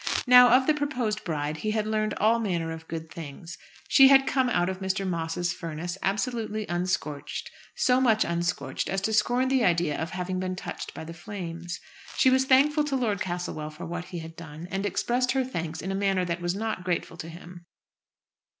Now, of the proposed bride he had learned all manner of good things. She had come out of Mr. Moss's furnace absolutely unscorched; so much unscorched as to scorn the idea of having been touched by the flames. She was thankful to Lord Castlewell for what he had done, and expressed her thanks in a manner that was not grateful to him.